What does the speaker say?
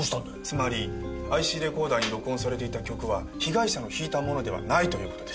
つまりＩＣレコーダーに録音されていた曲は被害者の弾いたものではないという事です。